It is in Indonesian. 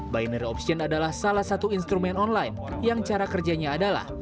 binary option adalah salah satu instrumen online yang cara kerjanya adalah